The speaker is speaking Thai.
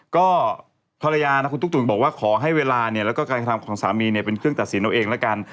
ก็ภรรยานะคุณตุ๊กตุ๋นบอกว่าขอให้เวลาเนี่ยแล้วก็การกระทำของสามีเนี่ยเป็นเครื่องตัดสินเอาเองแล้วกัน